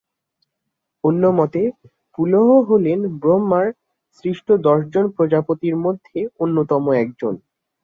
অন্যমতে, পুলহ হলেন ব্রহ্মার সৃষ্ট দশজন প্রজাপতির মধ্যে অন্যতম একজন।